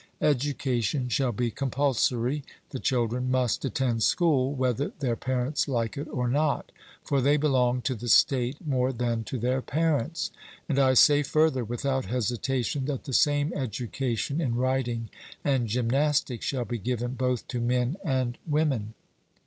Education shall be compulsory; the children must attend school, whether their parents like it or not; for they belong to the state more than to their parents. And I say further, without hesitation, that the same education in riding and gymnastic shall be given both to men and women.